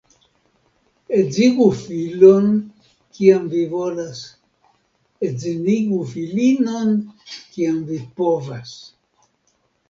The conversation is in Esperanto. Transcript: Edzigu filon, kiam vi volas — edzinigu filinon, kiam vi povas.